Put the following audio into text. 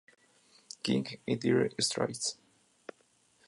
King y Dire Straits.